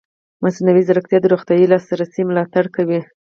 مصنوعي ځیرکتیا د روغتیايي لاسرسي ملاتړ کوي.